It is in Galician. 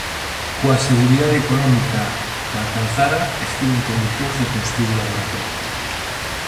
Coa seguridade económica que alcanzara estivo en condicións de construír un laboratorio.